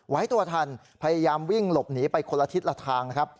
ไว้ตัวทันพยายามวิ่งหลบหนีไปคนละทิศละทางนะครับ